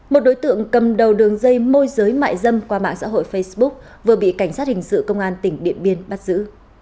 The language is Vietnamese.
một đối tượng cầm đầu đường dây môi giới mại dâm qua mạng xã hội facebook vừa bị cảnh sát hình sự công an tỉnh điện biên bắt giữ